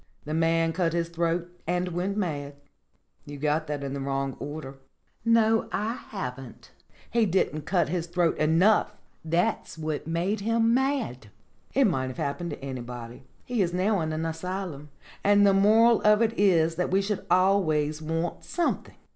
The man cut his throat and went mad." "You got that in the wrong order." "No, I haven't. He didn't cut his throat enough; that's what made him mad. It might have happened to anybody. He is now in an asylum. And the moral of it is that we should always want something."